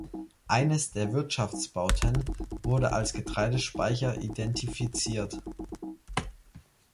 Eines der Wirtschaftsbauten wurde als Getreidespeicher identifiziert.